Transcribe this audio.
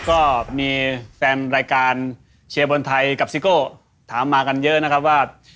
ก็มีแฟนรายการเชียร์บอลไทยกับซิโก้ถามมากันเยอะนะครับว่า